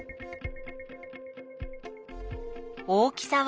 大きさは？